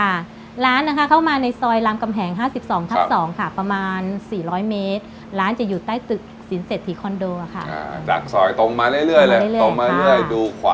ค่ะร้านเข้ามาในซอยลำกำแหง๕๒๒ค่ะประมาณ๔๐๐เมตรร้านจะอยู่ใต้ตึกสินเศษฐีคอนโดค่ะ